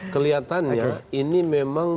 kelihatannya ini memang